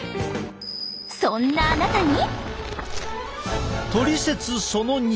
そんなあなたに！